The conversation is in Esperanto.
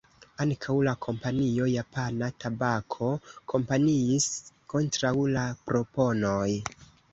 Ankaŭ la kompanio Japana Tabako kampanjis kontraŭ la proponoj.